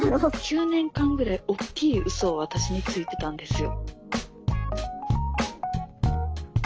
９年間ぐらいおっきいうそを私についてたんですよ。